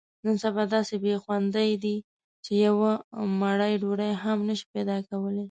نن سبا داسې بې خوندۍ دي، چې یوه مړۍ ډوډۍ هم نشې پیداکولی.